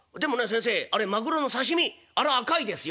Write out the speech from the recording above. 先生あれまぐろの刺身あれ赤いですよ」。